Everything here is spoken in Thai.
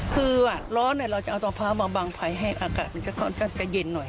คือร้อนี่เราจะเอาอาภาพมาบางภายให้อากาศมันจะเย็นหน่อย